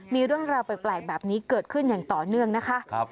มีเรื่องราวแปลกแบบนี้เกิดขึ้นอย่างต่อเนื่องนะคะ